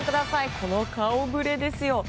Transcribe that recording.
この顔ぶれですよ。